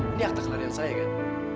ini akte kelahiran saya kan